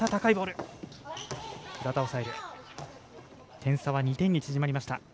点差は２点に縮まりました。